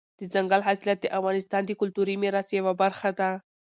دځنګل حاصلات د افغانستان د کلتوري میراث یوه برخه ده.